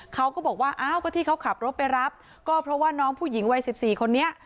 เขาก็บอกว่าอ้าวก็ที่เขาขับรถไปรับก็เพราะว่าน้องผู้หญิงวัย๑๔คนนี้